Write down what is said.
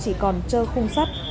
chỉ còn trơ khung sắt